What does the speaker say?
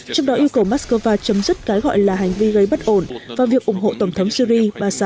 trong đó yêu cầu moscow chấm dứt cái gọi là hành vi gây bất ổn và việc ủng hộ tổng thống syri basa